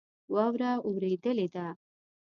واوره اوریدلی ده